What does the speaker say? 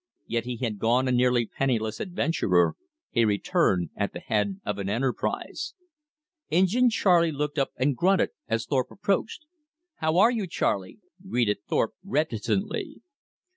Yet he had gone a nearly penniless adventurer; he returned at the head of an enterprise. Injin Charley looked up and grunted as Thorpe approached. "How are you, Charley?" greeted Thorpe reticently.